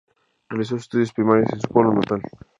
Realizó sus estudios primarios en su pueblo natal.